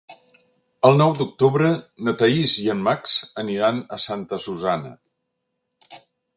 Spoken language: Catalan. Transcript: El nou d'octubre na Thaís i en Max aniran a Santa Susanna.